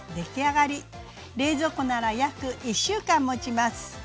冷蔵庫なら約１週間もちます。